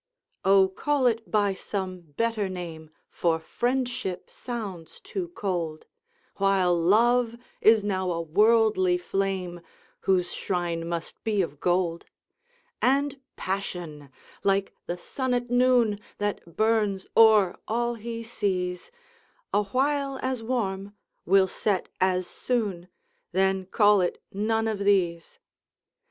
Oh, call it by some better name, For Friendship sounds too cold, While Love is now a worldly flame, Whose shrine must be of gold: And Passion, like the sun at noon, That burns o'er all he sees, Awhile as warm will set as soon Then call it none of these.